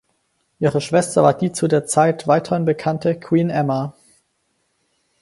Ihre Schwester war die zu der Zeit weithin bekannte "Queen Emma".